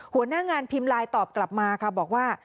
หัวหน้างานพิมพ์ไลน์ตอบกลับมาค่ะบอกว่า